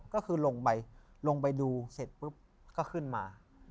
ก็คือลงไปลงไปดูเสร็จปุ๊บก็ขึ้นมา